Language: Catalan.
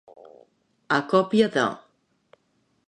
A còpia de.